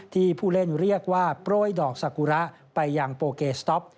ผู้เล่นเรียกว่าโปรยดอกสากุระไปยังโปเกสต๊อป